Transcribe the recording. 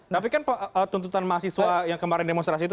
tapi kan tuntutan mahasiswa yang kemarin demonstrasi itu